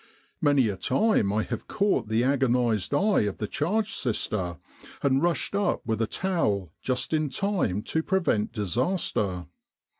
Many a time I have caught the agonised eye of the charge sister, and rushed up with a towel just in time to prevent disaster.